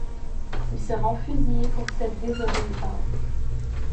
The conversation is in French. Ils seront fusillés pour cette désobéissance.